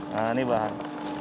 nah ini bahan